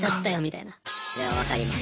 いや分かります。